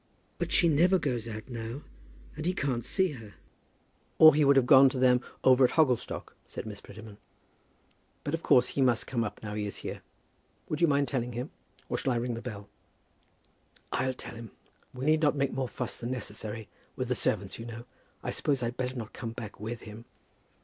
"But she never goes out now, and he can't see her." "Or he would have gone to them over at Hogglestock," said Miss Prettyman. "But of course he must come up now he is here. Would you mind telling him? or shall I ring the bell?" "I'll tell him. We need not make more fuss than necessary, with the servants, you know. I suppose I'd better not come back with him?"